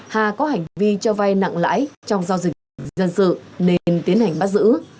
hà có hành vi cho vay nặng lãi trong giao dịch dân sự nên tiến hành bắt giữ